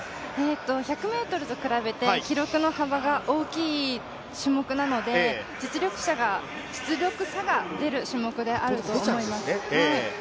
１００ｍと比べて記録の幅が大きい種目なので実力差が出る種目であると思います。